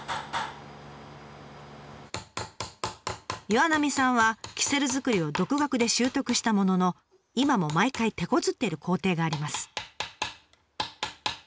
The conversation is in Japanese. ・岩浪さんはキセル作りを独学で習得したものの今も毎回てこずっている工程があります。